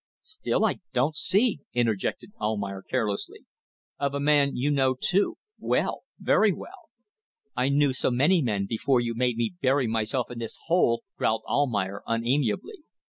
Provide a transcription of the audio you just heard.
." "Still, I don't see ..." interjected Almayer carelessly. "Of a man you know too. Well. Very well." "I knew so many men before you made me bury myself in this hole!" growled Almayer, unamiably.